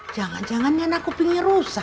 jangan jangan nyana kupingnya rusak